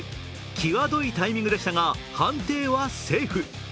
際どいタイミングでしたが判定はセーフ。